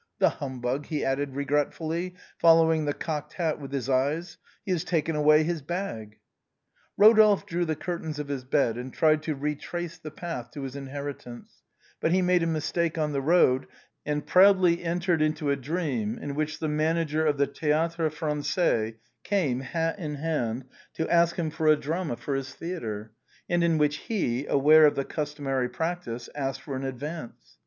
" The humbug," he added regretfully, following the cocked hat with his eyes, " he has taken away his bag." Rodolphe drew the curtains of his bed and tried to re trace the path to his inheritance, but he made a mistake on the road and proudly entered into a dream in which THE CAPE OF STORMS. 115 the manager of the Théâtre Français came hat in hand to ask him for a drama for his theatre, and in which he, aware of the customary practice, asked for an advance.